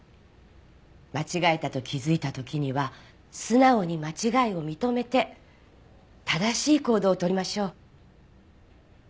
間違えたと気づいた時には素直に間違いを認めて正しい行動をとりましょう。